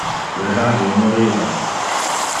Le radio moriva.